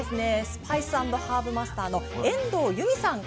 スパイス＆ハーブマスターの遠藤由美さん